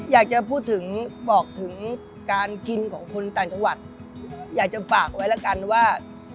อยากจะพูดถึงบอกถึงการกินของคนต่างจังหวัดอยากจะฝากไว้แล้วกันว่า